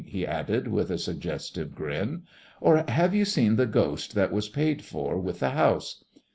he added, with a suggestive grin. "Or have you seen the ghost that was paid for with the house?"